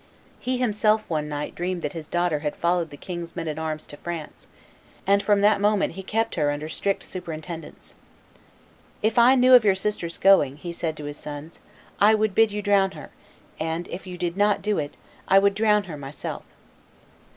He himself one night dreamed that his daughter had followed the king's men at arms to France, and from that moment he kept her under strict superintendence. "If I knew of your sister's going," he said to his sons, "I would bid you drown her; and, if you did not do it, I would drown her myself."